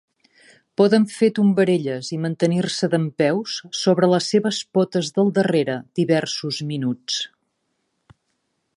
Poden fer tombarelles i mantenir-se dempeus sobre les seves potes del darrere diversos minuts.